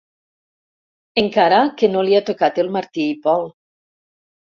Encara que no li ha tocat el Martí i Pol.